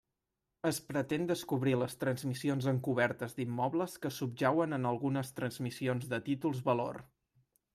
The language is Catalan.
Es pretén descobrir les transmissions encobertes d'immobles que subjauen en algunes transmissions de títols valor.